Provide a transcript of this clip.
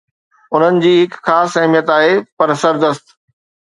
انهن جي هڪ خاص اهميت آهي، پر سردست